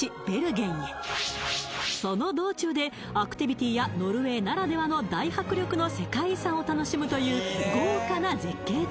ベルゲンへその道中でアクティビティやノルウェーならではの大迫力の世界遺産を楽しむという豪華な絶景